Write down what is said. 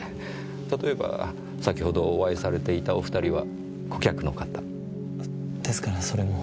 例えば先ほどお会いされていたお２人は顧客の方？ですからそれも。